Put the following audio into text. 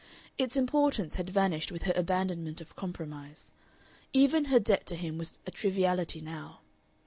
Its importance had vanished with her abandonment of compromise. Even her debt to him was a triviality now.